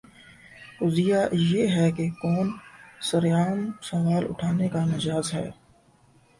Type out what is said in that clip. قضیہ یہ ہے کہ کون سر عام سوال اٹھانے کا مجاز ہے؟